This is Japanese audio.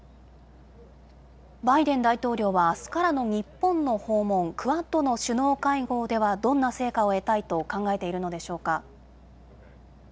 バイデン大統領はあすからの日本の訪問、クアッドの首脳会合ではどんな成果を得たいと考えているのでしょうか。